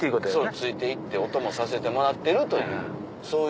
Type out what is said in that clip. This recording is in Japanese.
ついて行ってお供させてもらってるという。